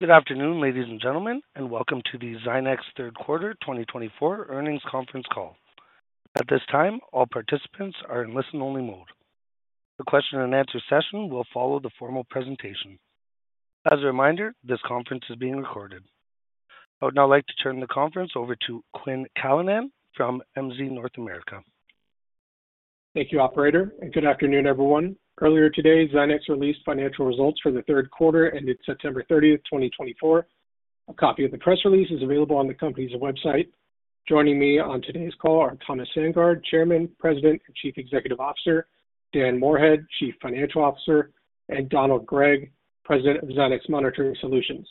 Good afternoon, ladies and gentlemen, and welcome to The Zynex Third Quarter 2024 Earnings Conference Call. At this time, all participants are in listen-only mode. The question and answer session will follow the formal presentation. As a reminder, this conference is being recorded. I would now like to turn the conference over to Quinn Callanan from MZ North America. Thank you, operator, and good afternoon, everyone. Earlier today, Zynex released financial results for the third quarter, ended September 30th, 2024. A copy of the press release is available on the company's website. Joining me on today's call are Thomas Sandgaard, Chairman, President, and Chief Executive Officer, Dan Moorhead, Chief Financial Officer, and Donald Gregg, President of Zynex Monitoring Solutions.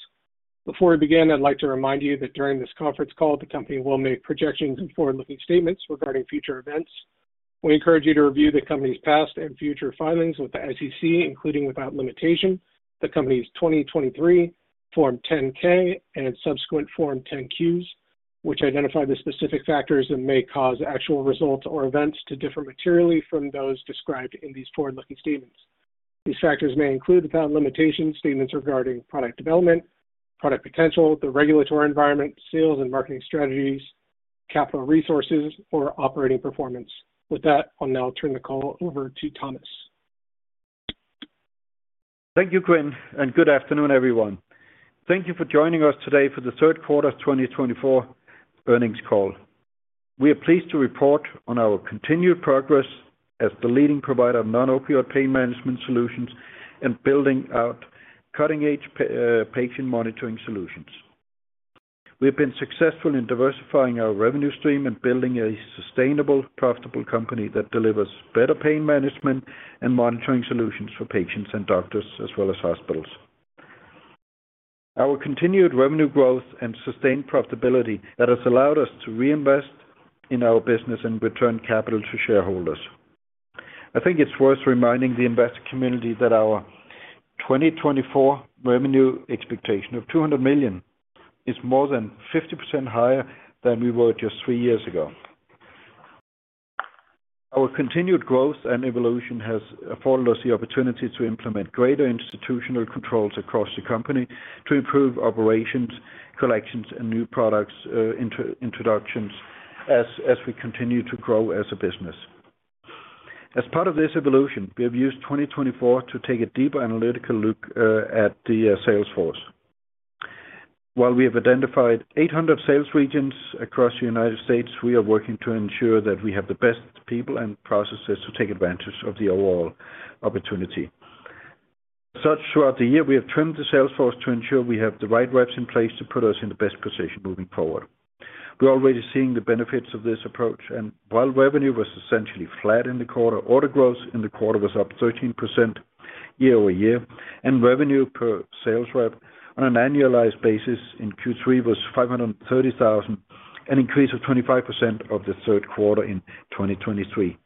Before we begin, I'd like to remind you that during this conference call, the company will make projections and forward-looking statements regarding future events. We encourage you to review the company's past and future filings with the SEC, including without limitation, the company's 2023 Form 10-K and subsequent Form 10-Qs, which identify the specific factors that may cause actual results or events to differ materially from those described in these forward-looking statements. These factors may include, without limitation, statements regarding product development, product potential, the regulatory environment, sales and marketing strategies, capital resources or operating performance. With that, I'll now turn the call over to Thomas. Thank you, Quinn, and good afternoon, everyone. Thank you for joining us today for the third quarter of 2024 earnings call. We are pleased to report on our continued progress as the leading provider of non-opioid pain management solutions and building out cutting-edge patient monitoring solutions. We've been successful in diversifying our revenue stream and building a sustainable, profitable company that delivers better pain management and monitoring solutions for patients and doctors, as well as hospitals. Our continued revenue growth and sustained profitability that has allowed us to reinvest in our business and return capital to shareholders. I think it's worth reminding the investor community that our 2024 revenue expectation of $200 million is more than 50% higher than we were just three years ago. Our continued growth and evolution has afforded us the opportunity to implement greater institutional controls across the company to improve operations, collections, and new product introductions as we continue to grow as a business. As part of this evolution, we have used 2024 to take a deeper analytical look at the sales force. While we have identified 800 sales regions across the United States, we are working to ensure that we have the best people and processes to take advantage of the overall opportunity. Throughout the year, we have trimmed the sales force to ensure we have the right reps in place to put us in the best position moving forward. We're already seeing the benefits of this approach, and while revenue was essentially flat in the quarter, order growth in the quarter was up 13% year-over-year, and revenue per sales rep on an annualized basis in Q3 was $530,000, an increase of 25% of the third quarter in 2023.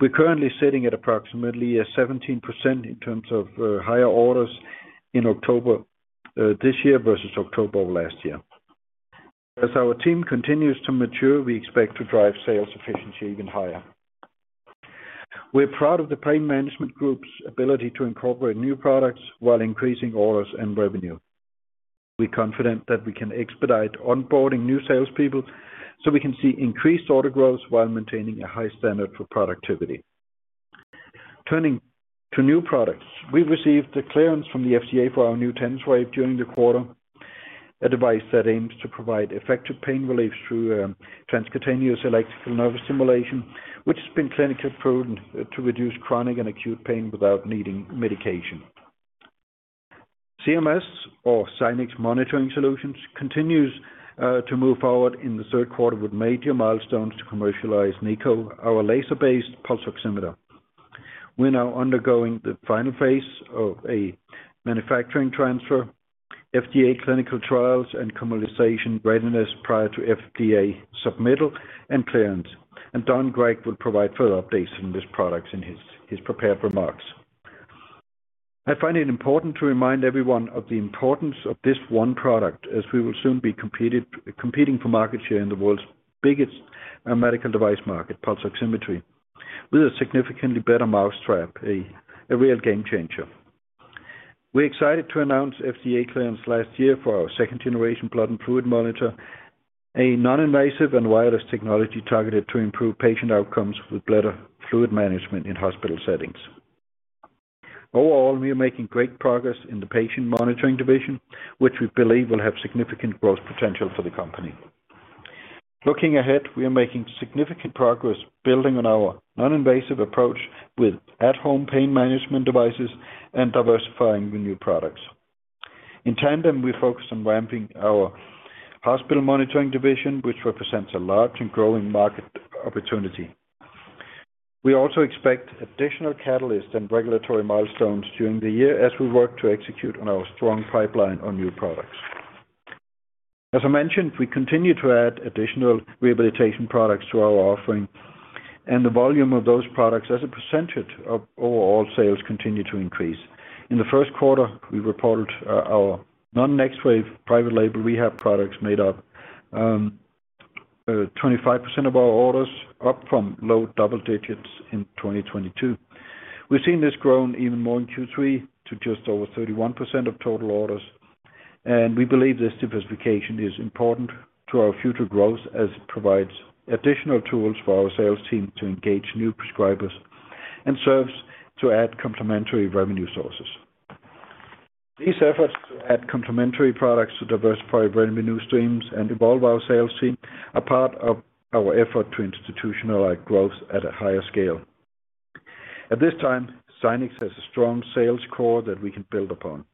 We're currently sitting at approximately 17% in terms of higher orders in October this year versus October of last year. As our team continues to mature, we expect to drive sales efficiency even higher. We're proud of the pain management group's ability to incorporate new products while increasing orders and revenue. We're confident that we can expedite onboarding new salespeople, so we can see increased order growth while maintaining a high standard for productivity. Turning to new products, we received the clearance from the FDA for our new TENSWave during the quarter, a device that aims to provide effective pain relief through transcutaneous electrical nerve stimulation, which has been clinically proven to reduce chronic and acute pain without needing medication. Zynex Monitoring Solutions continues to move forward in the third quarter with major milestones to commercialize NiCO, our laser-based pulse oximeter. We're now undergoing the final phase of a manufacturing transfer, FDA clinical trials, and commercialization readiness prior to FDA submittal and clearance. Don Gregg will provide further updates on this product in his prepared remarks. I find it important to remind everyone of the importance of this one product, as we will soon be competing for market share in the world's biggest medical device market, pulse oximetry, with a significantly better mousetrap, a real game changer. We're excited to announce FDA clearance last year for our second-generation blood and fluid monitor, a non-invasive and wireless technology targeted to improve patient outcomes with bladder fluid management in hospital settings. Overall, we are making great progress in the patient monitoring division, which we believe will have significant growth potential for the company. Looking ahead, we are making significant progress building on our non-invasive approach with at-home pain management devices and diversifying the new products. In tandem, we focused on ramping our hospital monitoring division, which represents a large and growing market opportunity. We also expect additional catalysts and regulatory milestones during the year as we work to execute on our strong pipeline on new products. As I mentioned, we continue to add additional rehabilitation products to our offering, and the volume of those products as a percentage of overall sales continue to increase. In the first quarter, we reported our non-NexWave private label rehab products made up 25% of our orders, up from low double digits in 2022. We've seen this grown even more in Q3 to just over 31% of total orders, and we believe this diversification is important to our future growth as it provides additional tools for our sales team to engage new prescribers, and serves to add complementary revenue sources. These efforts to add complementary products to diversify revenue streams and evolve our sales team are part of our effort to institutionalize growth at a higher scale. At this time, Zynex has a strong sales core that we can build upon.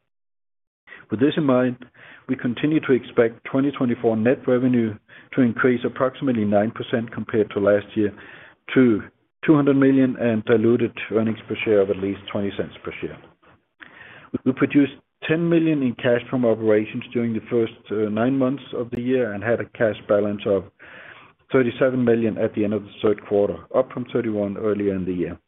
With this in mind, we continue to expect 2024 net revenue to increase approximately 9% compared to last year, to $200 million, and diluted earnings per share of at least $0.20 per share. We produced $10 million in cash from operations during the first nine months of the year, and had a cash balance of $37 million at the end of the third quarter, up from $31 million earlier in the year.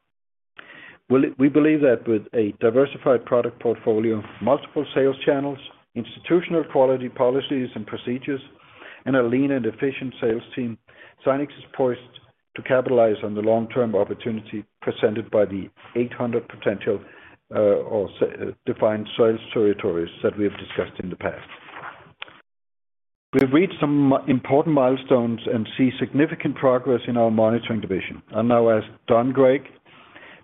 We believe that with a diversified product portfolio, multiple sales channels, institutional quality policies and procedures, and a lean and efficient sales team, Zynex is poised to capitalize on the long-term opportunity presented by the 800 potential or defined sales territories that we have discussed in the past. We've reached some important milestones and see significant progress in our monitoring division. I'll now ask Don Gregg,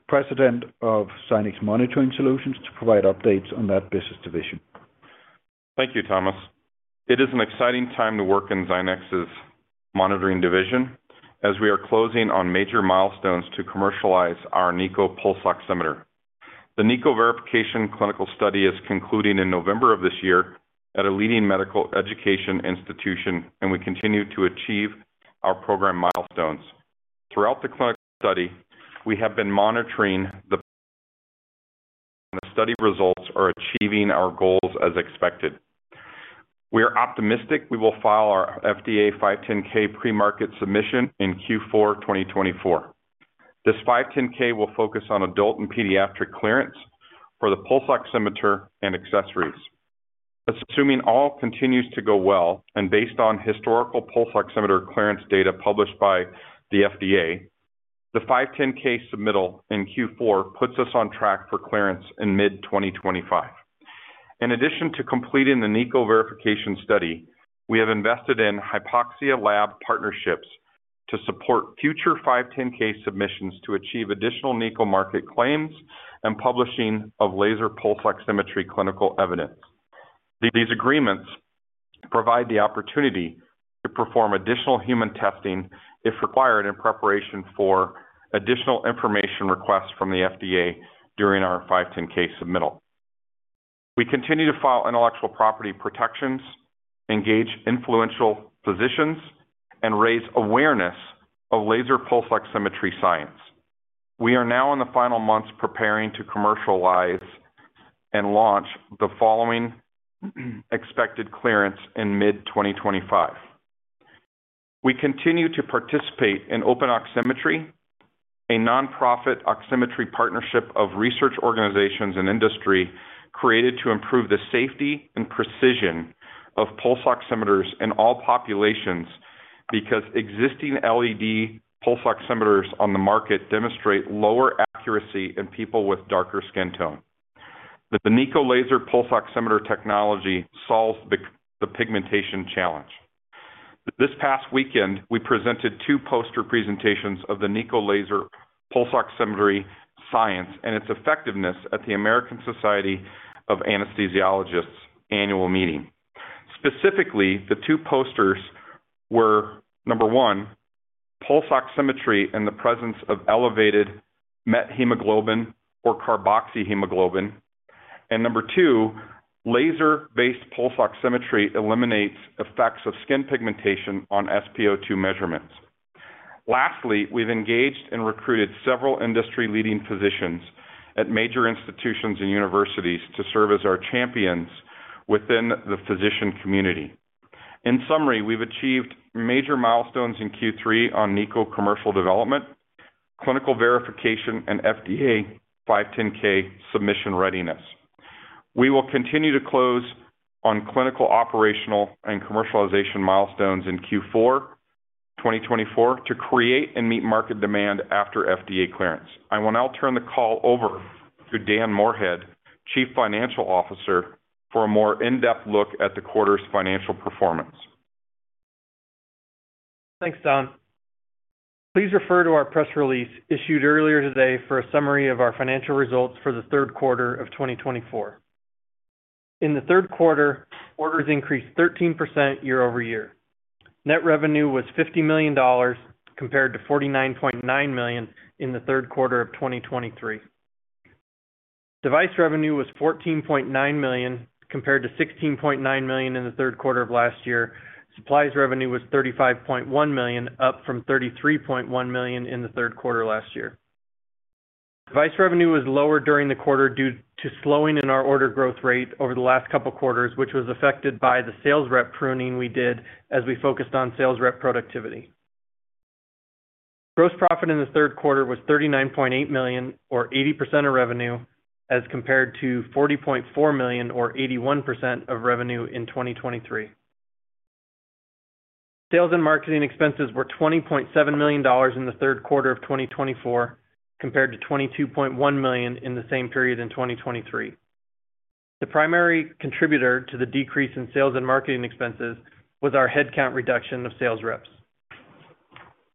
President of Zynex Monitoring Solutions, to provide updates on that business division. Thank you, Thomas. It is an exciting time to work in Zynex's Monitoring division, as we are closing on major milestones to commercialize our NiCO pulse oximeter. The NiCO verification clinical study is concluding in November of this year at a leading medical education institution, and we continue to achieve our program milestones. Throughout the clinical study, we have been monitoring the study results are achieving our goals as expected. We are optimistic we will file our FDA 510(k) premarket submission in Q4, 2024. This 510(k) will focus on adult and pediatric clearance for the pulse oximeter and accessories. Assuming all continues to go well, and based on historical pulse oximeter clearance data published by the FDA, the 510(k) submittal in Q4 puts us on track for clearance in mid-2025. In addition to completing the NiCO verification study, we have invested in hypoxia lab partnerships to support future 510(k) submissions to achieve additional NiCO market claims and publishing of laser pulse oximetry clinical evidence. These agreements provide the opportunity to perform additional human testing, if required, in preparation for additional information requests from the FDA during our 510(k) submittal. We continue to file intellectual property protections, engage influential physicians, and raise awareness of laser pulse oximetry science. We are now in the final months preparing to commercialize and launch the following expected clearance in mid-2025. We continue to participate in Open Oximetry, a nonprofit oximetry partnership of research organizations and industry, created to improve the safety and precision of pulse oximeters in all populations, because existing LED pulse oximeters on the market demonstrate lower accuracy in people with darker skin tone. The NiCO laser pulse oximeter technology solves the pigmentation challenge. This past weekend, we presented two poster presentations of the NiCO laser pulse oximetry science and its effectiveness at the American Society of Anesthesiologists' annual meeting. Specifically, the two posters were number one, pulse oximetry in the presence of elevated methemoglobin or carboxyhemoglobin, and number two, laser-based pulse oximetry eliminates effects of skin pigmentation on SpO2 measurements. Lastly, we've engaged and recruited several industry-leading physicians at major institutions and universities to serve as our champions within the physician community. In summary, we've achieved major milestones in Q3 on NiCO commercial development, clinical verification, and FDA 510(k) submission readiness. We will continue to close on clinical, operational, and commercialization milestones in Q4, 2024 to create and meet market demand after FDA clearance. I will now turn the call over to Dan Moorhead, Chief Financial Officer, for a more in-depth look at the quarter's financial performance. Thanks, Don. Please refer to our press release issued earlier today for a summary of our financial results for the third quarter of 2024. In the third quarter, orders increased 13% year-over-year. Net revenue was $50 million, compared to $49.9 million in the third quarter of 2023. Device revenue was $14.9 million, compared to $16.9 million in the third quarter of last year. Supplies revenue was $35.1 million, up from $33.1 million in the third quarter last year. Device revenue was lower during the quarter due to slowing in our order growth rate over the last couple of quarters, which was affected by the sales rep pruning we did as we focused on sales rep productivity. Gross profit in the third quarter was $39.8 million, or 80% of revenue, as compared to $40.4 million, or 81% of revenue in 2023. Sales and marketing expenses were $20.7 million in the third quarter of 2024, compared to $22.1 million in the same period in 2023. The primary contributor to the decrease in sales and marketing expenses was our headcount reduction of sales reps.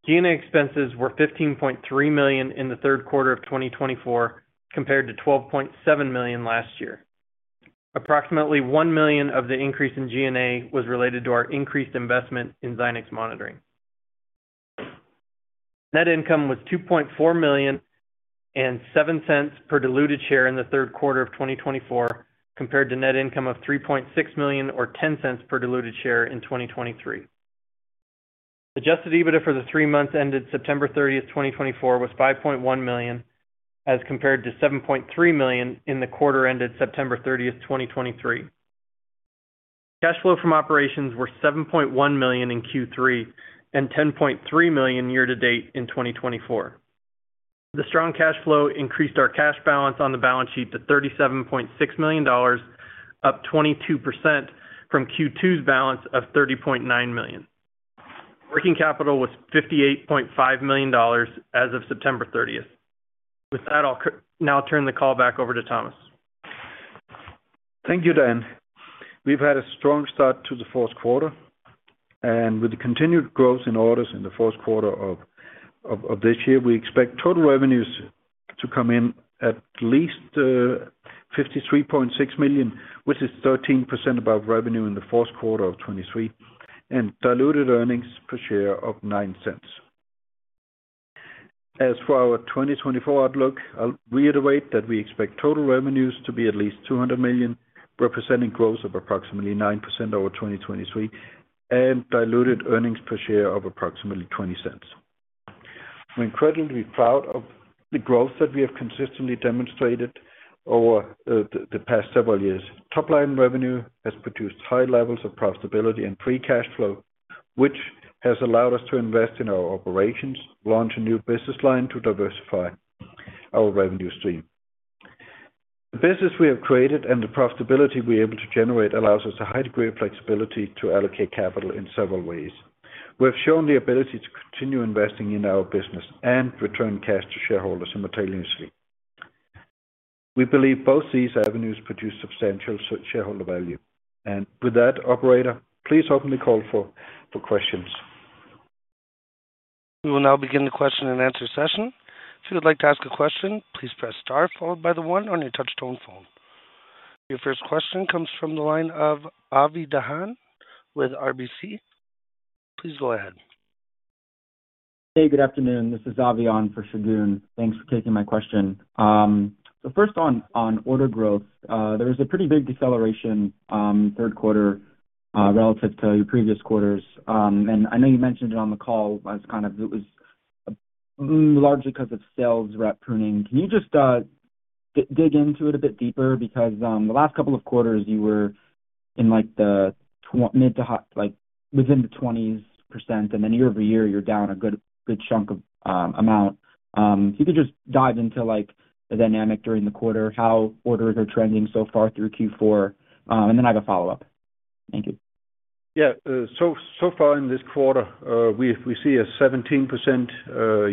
G&A expenses were $15.3 million in the third quarter of 2024, compared to $12.7 million last year. Approximately $1 million of the increase in SG&A was related to our increased investment in Zynex Monitoring. Net income was $2.4 million and $0.07 per diluted share in the third quarter of 2024, compared to net income of $3.6 million, or $0.10 per diluted share in 2023. Adjusted EBITDA for the three months ended September 30, 2024, was $5.1 million, as compared to $7.3 million in the quarter ended September 30, 2023. Cash flow from operations were $7.1 million in Q3 and $10.3 million year to date in 2024. The strong cash flow increased our cash balance on the balance sheet to $37.6 million, up 22% from Q2's balance of $30.9 million. Working capital was $58.5 million as of September 30. With that, I'll now turn the call back over to Thomas. Thank you, Dan. We've had a strong start to the fourth quarter, and with the continued growth in orders in the fourth quarter of this year, we expect total revenues to come in at least $53.6 million, which is 13% above revenue in the fourth quarter of 2023, and diluted earnings per share of $0.09. As for our 2024 outlook, I'll reiterate that we expect total revenues to be at least $200 million, representing growth of approximately 9% over 2023, and diluted earnings per share of approximately $0.20. We're incredibly proud of the growth that we have consistently demonstrated over the past several years. Top-line revenue has produced high levels of profitability and free cash flow, which has allowed us to invest in our operations, launch a new business line to diversify our revenue stream. The business we have created and the profitability we're able to generate allows us a high degree of flexibility to allocate capital in several ways. We have shown the ability to continue investing in our business and return cash to shareholders simultaneously. We believe both these avenues produce substantial shareholder value. With that, operator, please open the call for questions. We will now begin the question and answer session. If you would like to ask a question, please press star followed by the one on your touch tone phone. Your first question comes from the line of Avi Dahan with RBC. Please go ahead. Hey, good afternoon. This is Avi on for Shagun. Thanks for taking my question. So first on order growth, there was a pretty big deceleration, third quarter, relative to your previous quarters. And I know you mentioned it on the call as kind of it was largely because of sales rep pruning. Can you just dig into it a bit deeper? Because the last couple of quarters, you were in, like, the mid- to high 20s%, and then year-over-year, you're down a good chunk of amount. If you could just dive into, like, the dynamic during the quarter, how orders are trending so far through Q4? And then I have a follow-up. Thank you. Yeah. So far in this quarter, we see a 17%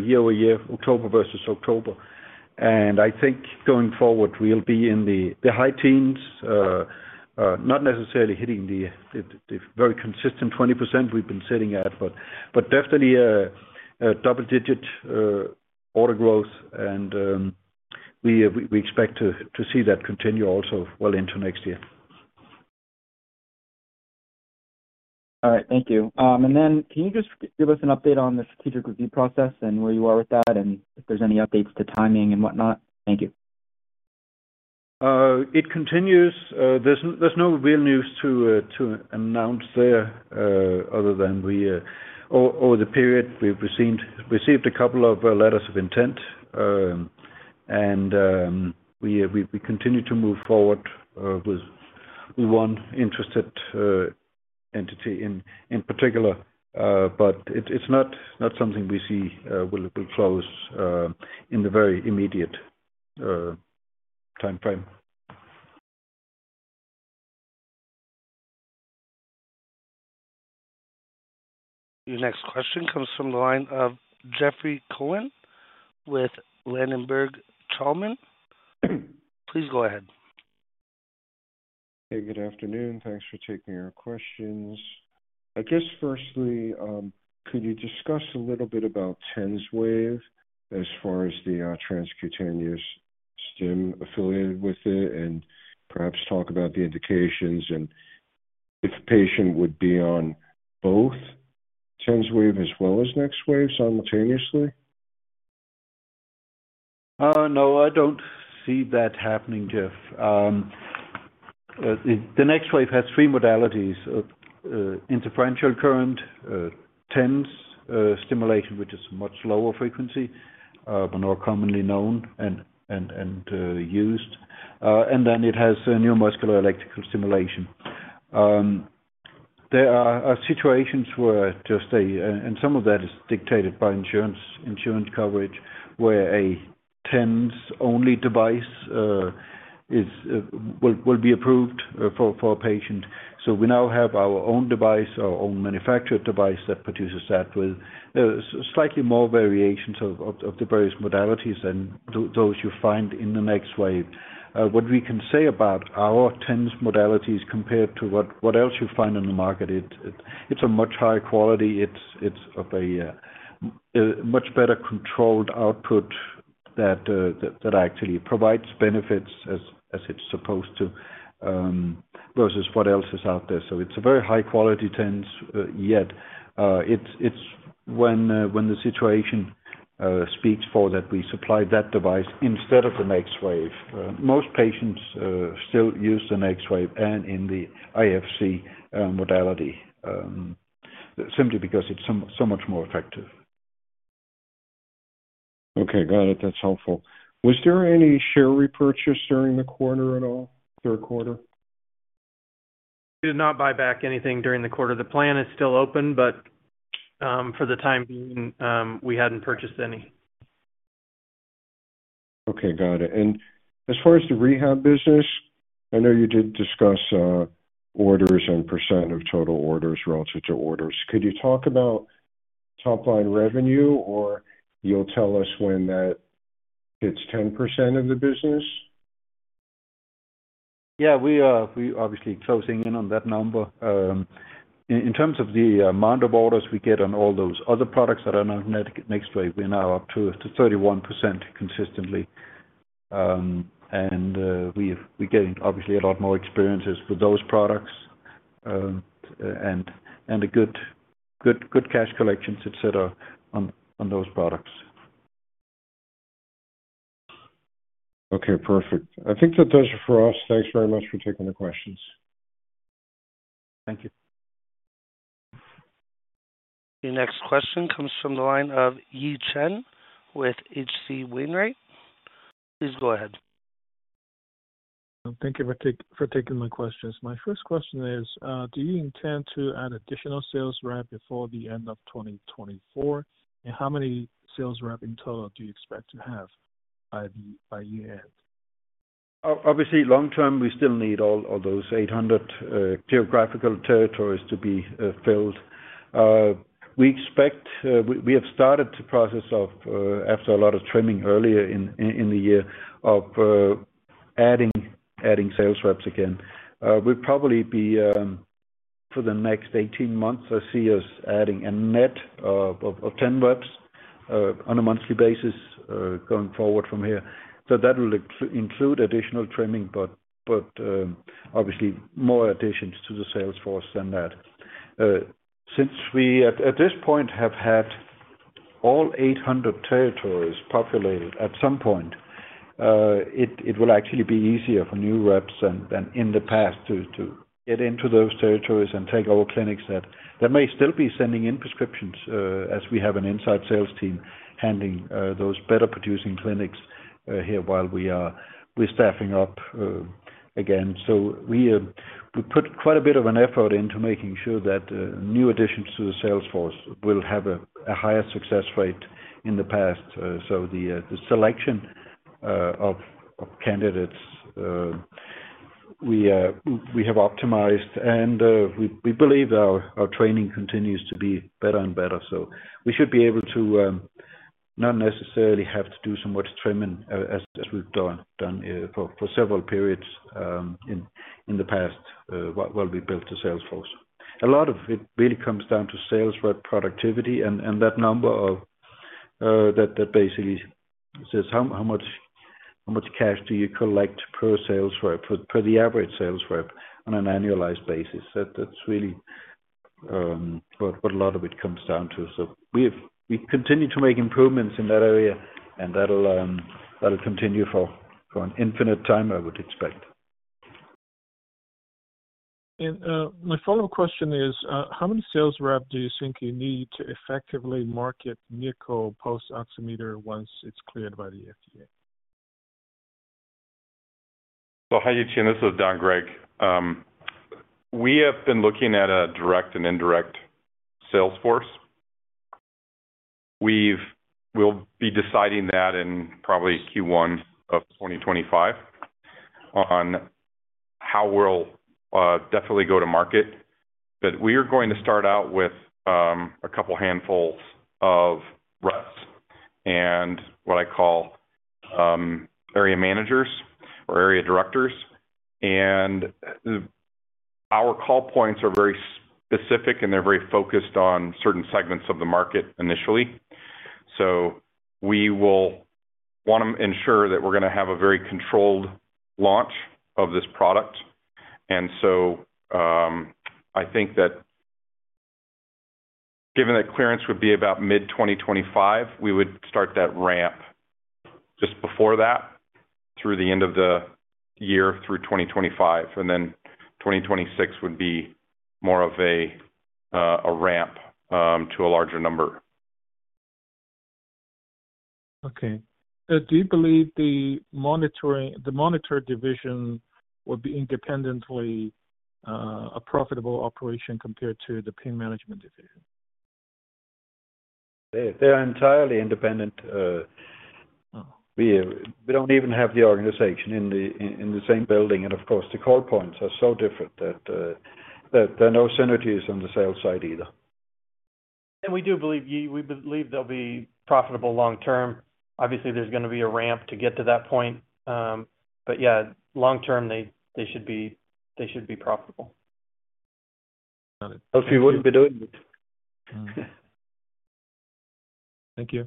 year-over-year, October versus October. And I think going forward, we'll be in the high teens, not necessarily hitting the very consistent 20% we've been sitting at, but definitely a double digit order growth, and we expect to see that continue also well into next year. All right. Thank you. And then can you just give us an update on the strategic review process and where you are with that, and if there's any updates to timing and whatnot? Thank you. It continues. There's no real news to announce there, other than we, over the period, we've received a couple of letters of intent. And we continue to move forward with one interested entity in particular. But it's not something we see will close in the very immediate timeframe. Your next question comes from the line of Jeffrey Cohen with Ladenburg Thalmann. Please go ahead. Hey, good afternoon. Thanks for taking our questions. I guess, firstly, could you discuss a little bit about TENSWave as far as the transcutaneous stim affiliated with it, and perhaps talk about the indications and if a patient would be on both TENSWave as well as NexWave simultaneously? No, I don't see that happening, Jeff. The NexWave has three modalities: interferential current, TENS stimulation, which is much lower frequency, but more commonly known and used, and then it has a neuromuscular electrical stimulation. There are situations, and some of that is dictated by insurance coverage, where a TENS-only device will be approved for a patient. So we now have our own device, our own manufactured device, that produces that with slightly more variations of the various modalities than those you find in the NexWave. What we can say about our TENS modalities compared to what else you find in the market, it's a much higher quality. It's of a much better controlled output that actually provides benefits as it's supposed to, versus what else is out there. So it's a very high quality TENS, yet it's when the situation speaks for that, we supply that device instead of the NexWave. Most patients still use the NexWave and in the IFC modality, simply because it's so much more effective. Okay, got it. That's helpful. Was there any share repurchase during the quarter at all? Third quarter? We did not buy back anything during the quarter. The plan is still open, but, for the time being, we hadn't purchased any. Okay, got it. And as far as the rehab business, I know you did discuss orders and percent of total orders relative to orders. Could you talk about top-line revenue or you'll tell us when that hits 10% of the business? Yeah, we are, we obviously closing in on that number. In terms of the amount of orders we get on all those other products that are not NexWave, we're now up to 31% consistently. And we're getting obviously a lot more experiences with those products, and a good cash collections, et cetera, on those products. Okay, perfect. I think that does it for us. Thanks very much for taking the questions. Thank you. The next question comes from the line of Yi Chen with H.C. Wainwright. Please go ahead. Thank you for taking my questions. My first question is, do you intend to add additional sales rep before the end of 2024? And how many sales rep in total do you expect to have by year end? Obviously, long term, we still need all of those 800 geographical territories to be filled. We expect we have started the process of, after a lot of trimming earlier in the year, of adding sales reps again. We'll probably be, for the next 18 months, I see us adding a net of 10 reps on a monthly basis going forward from here. So that will include additional trimming, but obviously more additions to the sales force than that. Since we, at this point, have had all 800 territories populated at some point, it will actually be easier for new reps than in the past to get into those territories and take over clinics that may still be sending in prescriptions, as we have an inside sales team handling those better producing clinics here while we're staffing up again, so we put quite a bit of an effort into making sure that new additions to the sales force will have a higher success rate in the past, so the selection of candidates we have optimized and we believe our training continues to be better and better. So we should be able to not necessarily have to do so much trimming as we've done for several periods in the past while we built the sales force. A lot of it really comes down to sales rep productivity and that number that basically says how much cash do you collect per sales rep per the average sales rep on an annualized basis. That's really what a lot of it comes down to. So we continue to make improvements in that area, and that'll continue for an infinite time, I would expect. My follow-up question is, how many sales reps do you think you need to effectively market the NiCO pulse oximeter once it's cleared by the FDA? So hi, Yi Chen, this is Don Gregg. We have been looking at a direct and indirect sales force. We'll be deciding that in probably Q1 of 2025 on how we'll definitely go to market. But we are going to start out with a couple handfuls of reps and what I call area managers or area directors. And our call points are very specific, and they're very focused on certain segments of the market initially. So we will want to ensure that we're gonna have a very controlled launch of this product. And so I think that given that clearance would be about mid-2025, we would start that ramp just before that, through the end of the year through 2025, and then 2026 would be more of a ramp to a larger number. Okay. Do you believe the monitoring, the monitor division will be independently, a profitable operation compared to the pain management division? They, they're entirely independent. We don't even have the organization in the same building, and of course, the call points are so different that there are no synergies on the sales side either. And we do believe, Yi, we believe they'll be profitable long term. Obviously, there's gonna be a ramp to get to that point. But yeah, long term, they should be profitable. Got it. Or we wouldn't be doing it. Thank you. Welcome. Thank you.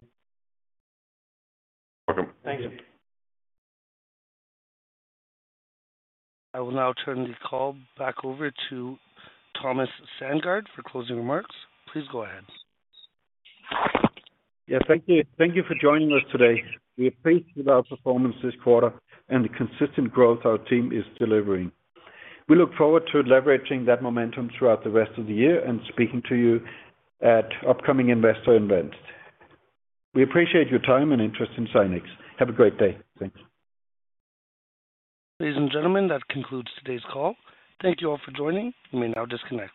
I will now turn the call back over to Thomas Sandgaard for closing remarks. Please go ahead. Yeah, thank you. Thank you for joining us today. We are pleased with our performance this quarter and the consistent growth our team is delivering. We look forward to leveraging that momentum throughout the rest of the year and speaking to you at upcoming investor events. We appreciate your time and interest in Zynex. Have a great day. Thanks. Ladies and gentlemen, that concludes today's call. Thank you all for joining. You may now disconnect.